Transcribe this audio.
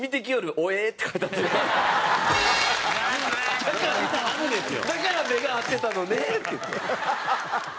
だから目が合ってたのねっていって。